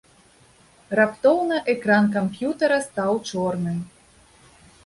Раптоўна экран камп'ютара стаў чорным.